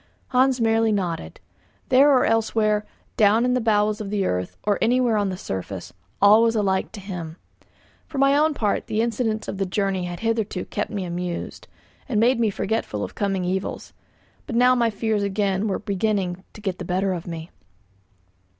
Hans merely nodded. There or elsewhere, down in the bowels of the earth, or anywhere on the surface, all was alike to him. For my own part the incidents of the journey had hitherto kept me amused, and made me forgetful of coming evils; but now my fears again were beginning to get the better of me.